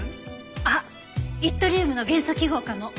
あっイットリウムの元素記号かも。